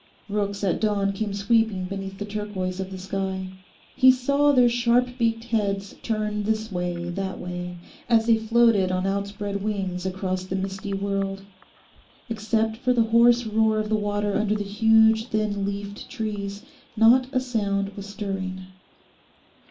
Rooks at dawn came sweeping beneath the turquoise of the sky. He saw their sharp beaked heads turn this way, that way, as they floated on outspread wings across the misty world. Except for the hoarse roar of the water under the huge thin leafed trees, not a sound was stirring.